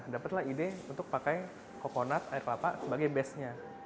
dapatlah ide untuk pakai kokonat air kelapa sebagai base nya